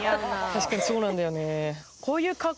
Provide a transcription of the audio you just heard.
確かにそうなんだよね。